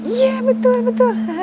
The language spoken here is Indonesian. iya betul betul